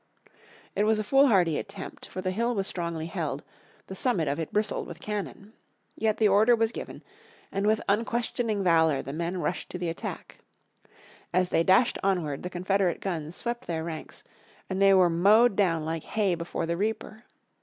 It was a foolhardy attempt, for the hill was strongly held, the summit of it bristled with cannon. Yet the order was given, and with unquestioning valour the men rushed to the attack. As they dashed onward the Confederate guns swept their ranks, and they were mowed down like hay before the reaper.